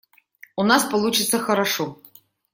У нас получится хорошо.